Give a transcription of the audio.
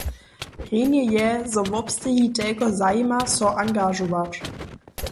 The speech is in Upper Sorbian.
Rjenje je, zo wobsteji telko zajima so angažować.